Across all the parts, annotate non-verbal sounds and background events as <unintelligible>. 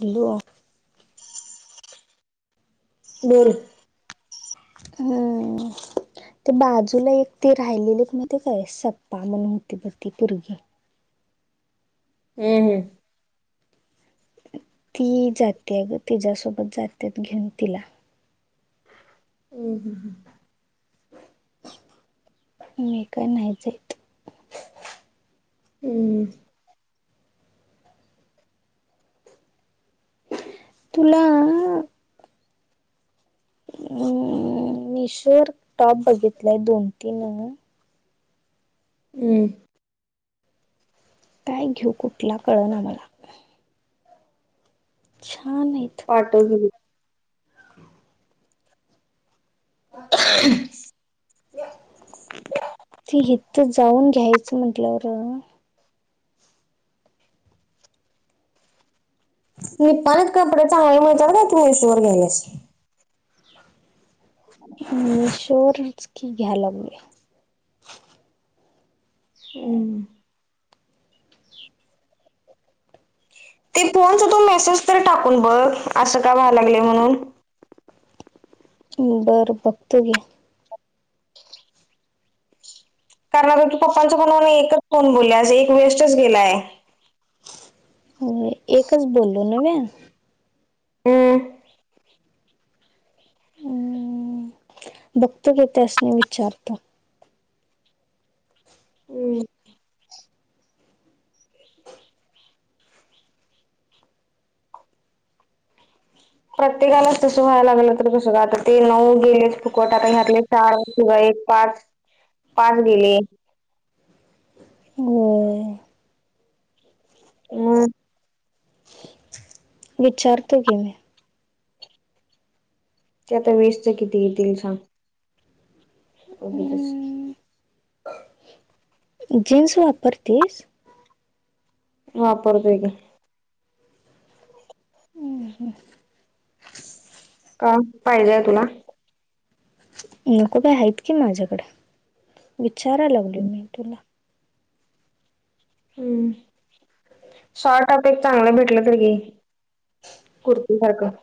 Hello बोल हम्म ते बाजूला एक ते राहिलेले माहितीये काय सप्पा म्हणून होती ब ती पोरगी? हम् हम्. ती जातीय ग तिज्यासोबत जात्यात घीऊन तिला. <unintelligible> मी काय न्हायचं हम्. तुला मिशोवर टॉप बघितलाय दोन तीन मी हम्. काय घीऊ कुठला कळना मला. छानएत. पाठवलेली. <unintelligible> ती हिथ जाऊन घ्यायचं म्हंटलंर. निपाणीत कपडे चांगली मिळत्यात काय तू मेसवर घ्यायलियास. मिशो वरंनच की घ्या लागलोया. हम्. ते फोनच तू मेसेज तर टाकून बघ असं का व्हाय लागलय म्हणून. बरं बघतो की. कारण आता तू पप्पांच्या फोन वरण एकच फोन बोललीयास एक वेस्टच गेलाय. होय एकच बोललो नव्हे? हम्म. हम्म बघतो की त्यांसनी विचारतो. प्रत्येकालाच तसं व्हायला लागलं तर कसं ग आता ते नऊ गेलेच फुकट आता ह्यातले चार. किंवा एक पाच पाच गेले. होय म विचारतो की मी. ते आता वीस च किती येतील सांग? <unintelligible> हम्म, जीन्स वापरतेस? वापरतोय की. <inaudible> का पाहिजे हाय तुला? नको काय हायत की माझ्याकड विचाराय लागलोय मी तुला. हम्म. शॉर्ट आता एक चांगलं भेटलं तर घे कुर्ती सारखं.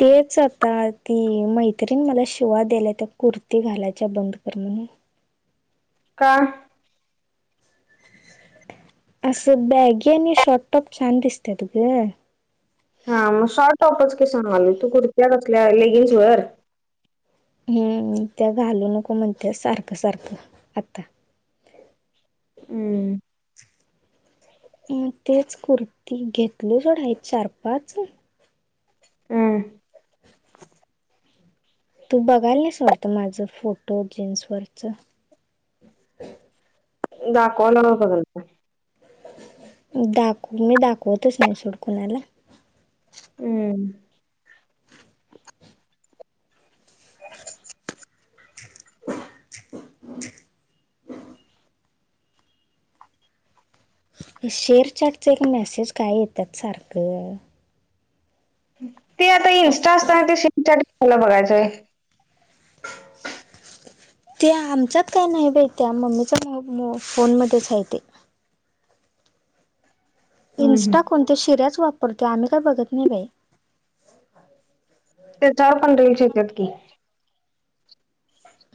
तेच आता ती मैत्रीणी मला शिवा द्यालात्या कुर्ती घालायची बंद कर म्हणून. का? असं बॅगी आणि शॉर्ट टॉप छान दिसत्यात ग. हा मग शॉर्ट टॉपच <inaudible> तू कुर्त्या कसल्या लेगिंग्स वर? हम्म त्या घालू नको म्हणत्या सारखं सारखं आता. हम्म. म तेच कुर्ती घेतलो सोडा एक चार पाच. हम्म तू बघायलियास वाटतं माझं फोटो जीन्सवरच? दाखवालाव बघाल की. दाखव मी दाखवतच नाय सोड कुणाला हम्म <inaudible> हे शेअर चॅटच एक मेसेज काय येत्यात सारखं ते इंस्टा असताना ते शेअर चाट कशाला बघायचंय. <inaudible> ते आमच्यात काय नाय बय त्या मम्मीच्या मो मो फोनमध्येच हाय ते हम्म हम्म इन्स्टा कोण त्या शिऱ्याच वापरतो आम्ही काय बघत नाय बाई. त्याच्यावर पण रील्स येत्यात की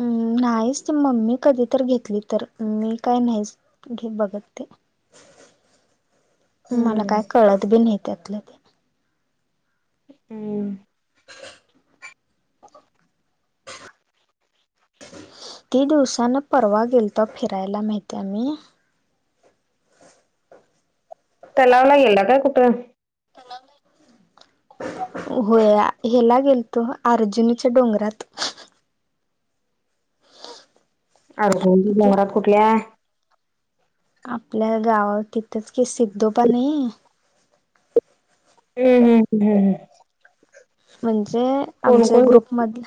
अम्मं नाहीच ते मम्मी कधी तर घेतली तर मी काय नाहीच घे बघत ते मला हम्म काय कळत बी नाय त्यातलं ते हम् कीती दिवसानं परवा गेलतो फिरायला माहितीय आम्ही तलाव ला गेल्या काय कुठं तलाव नाय होय हेला गेलतो अर्जुनीच्या डोंगरात अर्जुनी ते डोंगरात कुठल्या? आपल्या गावत तिथंच की सिद्धोबा नये हूं हूं हूं म्हणजे कोण आमच्या कोण गेलं ग्रुपमधल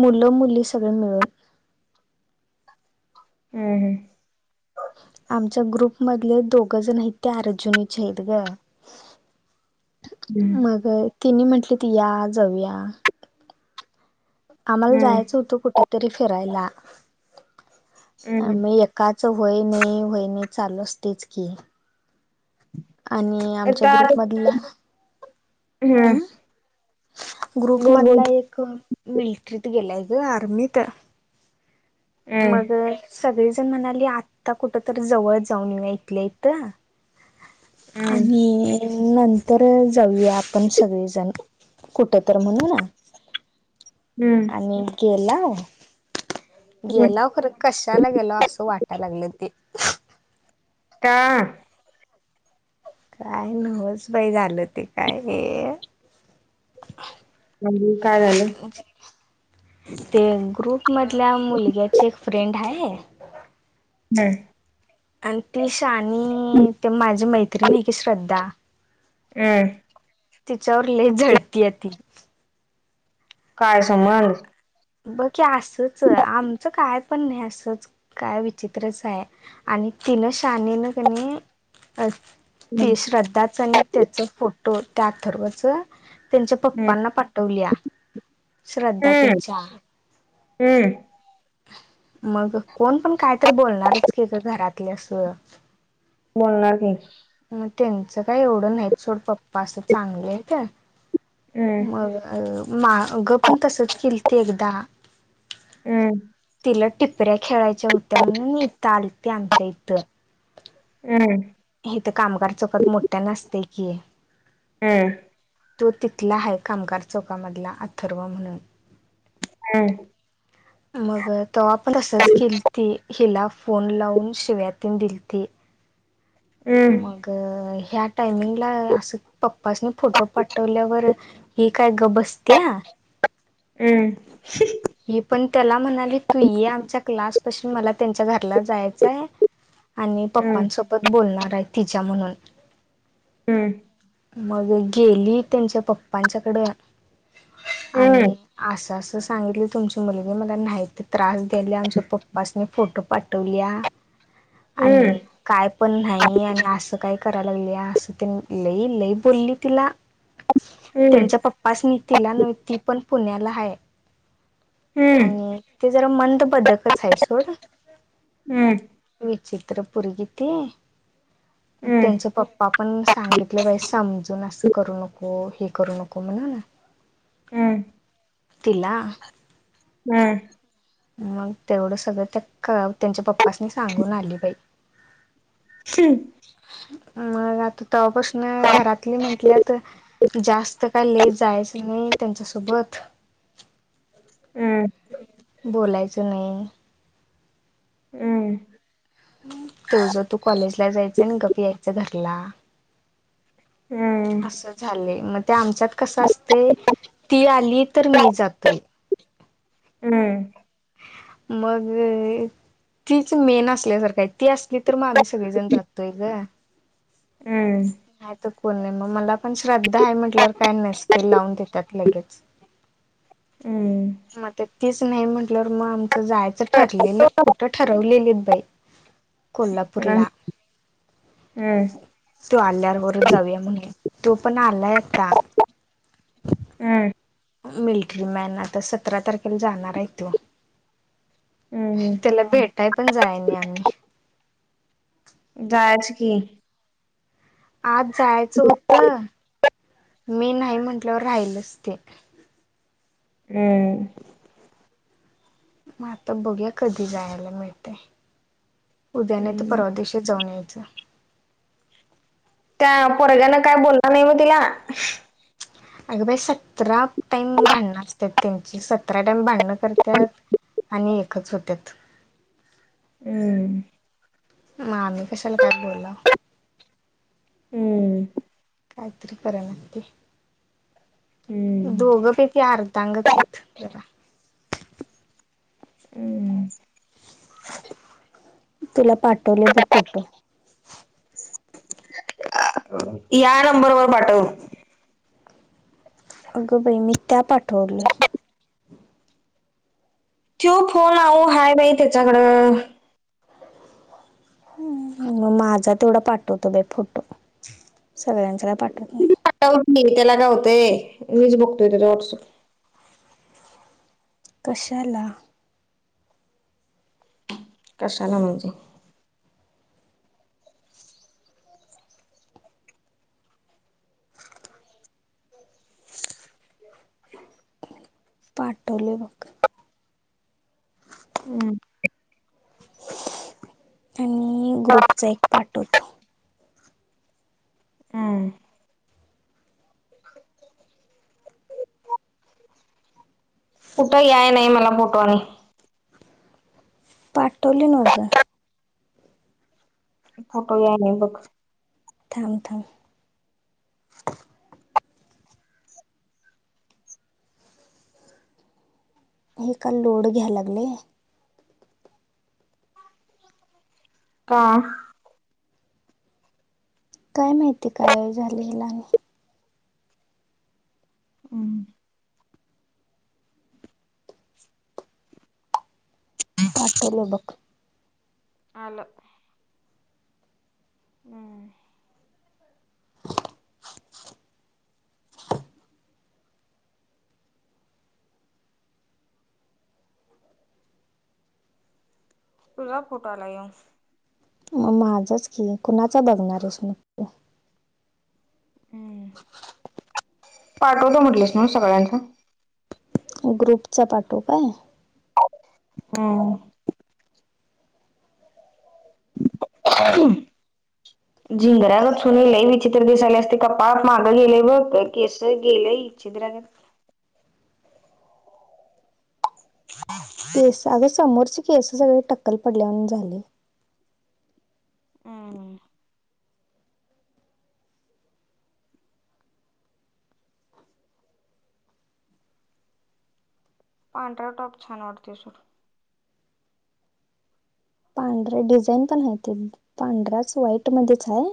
मुलं मुली सगळे मिळून हूं हूं आमच्या ग्रुप मधले दोघं जण हायेत ते अर्जुनीचे हायेत गं. हम्म मग तिनी म्हटलेत या जाऊया. आम्हाला हम्म जायचं होतं कुठ तरी फिरायला हम्म आ हम्म म य काचं व्हय नय व्हय नय चालू असतयच की, आणि आमच्या ग्रुपमधला हम्मं ग्रुप मधला एक मिलिट्रीत गेलाय ग आर्मीत हम्म मग सगळीजण म्हणाली आता कुठ तर जवळ जाऊन येऊ या इथल्या इथं हम्म आणि नंतर जाऊया आपण सगळेजण कुठं तर म्हणू ना हम्म मी गेला, गेला खरं कशाला गेला असं वाटायला लागलं ते का? काय नवच बाई झालं ते काय हे म्हणजे काय झालं? ते ग्रुप मधल्या मुलग्याचे एक फ्रेंड हाय. <unintelligible> आणि ती शहाणी ते माझी मैत्रीण हाय की श्रद्धा अं तिच्यावर लय जळतीये ती काय संबंध ब की असंच आमचं काय पण हे असंच काय विचित्रच हाय. आणि तिनं शहाणीन क नी अ ते हम्म श्रद्धाचं आणि त्याच फोटो त्या अथर्वच त्यांच्या पप्पांना पाठवल्या श्रद्धा हम्म त्यांच्या हम्म. मग कोण पण कायतरी बोलणारच की ग घरातले असं. बोलणार नाही. मग त्यांचं काय एवढं नाही सोड पप्पा असं चांगलं आहे त्या हम्म मग अ मा अग पण तसच केलंती एकदा. हम्म. तिला टिपऱ्या खेळायच्या होत्या म्हणून इथं आलती आमच्या इथं. हम्म. हे तर कामगार चौकत मोठ्यान असते की. हम्म. तो तिथला आहे कामगार चौकामधला अथर्व म्हणून. हम्म. मग तो वा पण तसच केलती हिला फोन लावून शिव्या तीन दिलती. हम्म मग ह्या टायमिंगला असं पप्पाासनी फोटो पाठवल्यावर ही काय गप बसतीया. हम्म. <inaudible> ही पण त्याला म्हणाली तू ये आमच्या क्लास पाशी मला त्यांच्या घराला जायचं आहे. आणि हम्म पप्पांसोबत बोलणार आहे तिच्या म्हणून. हम्म. मग गेली त्यांच्या पप्पांच्या कड हम्म आणि असं असं सांगितलं तुमची मुलगी मला नाहीते त्रास गेल्या आमच्या पप्पासनी फोटो पाठवल्या. हम्म आणि हम्म काय पण नाही आणि असं काय कराय लागले या असं लई लई बोलली तिला. त्यांच्या पप्पाासनी तिला न ती पण पुण्याला आहे. हम्म आणि ते जरा मंद बदकच आहे सोड. हम्म. विचित्र पोरगी ती हम्म त्यांच पप्प आपण सांगितलं बाई समजून असं करू नको हे करू नको म्हणून हम्म. तिला हम्म. मग तेवढं सगळं त्या क त्यांच्या पप्पाासनी सांगून आली बाई. हम्म. मग आता तवा पासन घरातली म्हटल्यात जास्त काय लेज आहेस की मंग त्यांच्यासोबत हम्म. बोलायचं नाही. तु जर तू कॉलेजला जायचं आणि गप यायचं घरला हम्म. असं झालंय मग ते आमच्यात कसं असते ती आली तर मी जातोय. हम्म. मग <inaudible> तीच मेन असल्यासारख आहे ती असली तर मग आम्ही सगळीजण जातोय गं. हम्म. कोण नाही, मग मला पण श्रद्धा आहे. म्हटल्यावर काय नसते लावून देतात लगेच. हम्म. मग ते तीच नाही म्हण मग आमचं जायचं ठरलेलं, कुठं ठरवलेलीत बाई. कोल्हापुरला. हम्म. तो आल्यारवरच जाऊया म्हण, तो पण आलाय आत्ता. हम्म. मिलिटरी मॅन, आता सतरा तारखेला जाणार आहे तो. हम्म त्याला भेटाय पण जाय नाही आम्ही. जायच की आज जायचं होतं, मी नाही म्हंटल्यावर राहिलच ते. हम्म. मग आता बघूया कधी जायला मिळतेय. उद्या नाही तर हम्म परवादिवशी जाऊन यायचं. त्या पोरग्यान काय बोलला नाही, म तिला. ह <unintelligible> अगं बाई सतरा टाईम भांडणं असतात, त्यांची सतरा टाईम भांडणं करतात. आणि एकच होत्यात. हम्म. मग आम्ही कश्याला काय बोलाव. हम्म. काहीतरी कराना ते. हम्म. दोघंपैकी अर्धांगच आहेत जरा. हम्म. तुला पाठवल बग फोटो. या नंबर वर पाठव. अगं भाई मी त्या पाठवलं. तो फोन अहो हाय बाई त्याच्याकडं. मग माझा तेवढा पाठवतो ब फोटो, सगळ्यांचा पाठवत नाही. पटाव की त्याला काय होतंय, मीच बघतोय त्याच व्हॉटसअप. कश्याला. कशाला म्हणजे. पाठवल बग. हम. आणि ग्रुपचा एक पाठव तो. हम. शखत <unintelligible> कुठं याय नाही, मला फोटोनी. पाठवल नव ग. फोटो यायला बघ. थांब-थांब. हे का लोड घ्यायला लागले. का. काय माहिती कायो झाले हिला आणि हम. पाठवल बघ. आल. हमम. तुझा फोटो आला यो. मग माझंच की कुणाच बघणार आहेस म पाठवल म्हंटलेस ना सगळ्यांना ग्रुपचा पाठवू का? हमम. अून <unintelligible> ह <inaudible> झिंगरा्या गचूनलय विचित्र दिसाले असते कप्पा मागं गेलेय बघ काय केस केलीय. चिंदराे <unintelligible> हम हम् <inaudible> अग समोरचे केस सगळे टक्कल पडल्यावानी झालेय. हम. पांढरा टॉप छान वाटते स पांढऱ्या डिझाईन पण आहे ते पांढराच व्हाईट मध्येच हाय.